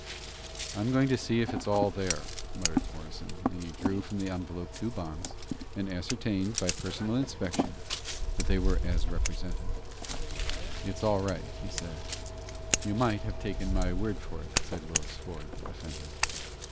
"I'm going to see if it is all there," muttered Morrison; and he drew from the envelope the two bonds, and ascertained, by a personal inspection, that they were as represented. "It's all right," he said. "You might have taken my word for it," said Willis Ford, offended.